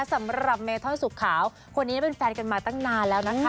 สำหรับเมเทิลสุขขาวคนนี้เป็นแฟนกันมาตั้งนานแล้วนะคะ